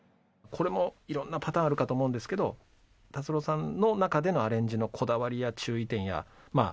これもいろんなパターンあるかと思うんですけど達郎さんの中でのアレンジのこだわりや注意点やまあ